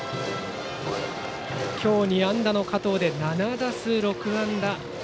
今日、２安打の加藤で７打数６安打。